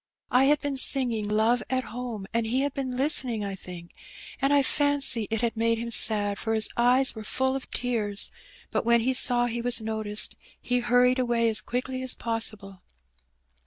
I had been singing 'Love at Home,' and he had been listening, I think ; and I fancy it had made him sad, for his eyes were full of tears, but when he saw he was noticed he hurried away as quickly as possible."